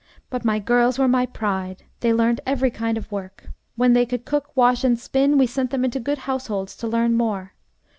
But my girls were my pride. They learned every kind of work. When they could cook, wash, and spin, we sent them into good households to learn more.